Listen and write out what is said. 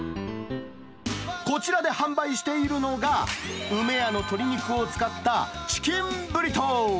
こちらで販売しているのが、梅やの鶏肉を使ったチキンブリトー。